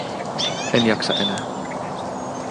En jaksa enää.